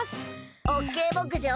オッケーぼくじょう。